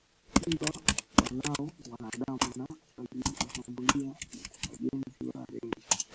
Simba walao wanadamu na waliwashambulia wajenzi wa reli